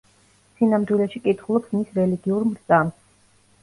სინამდვილეში კითხულობს მის რელიგიურ მრწამსს.